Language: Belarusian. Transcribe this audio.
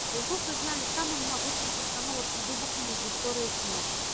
Яго прызналі самым магутным пастановачным выбухам у гісторыі кіно.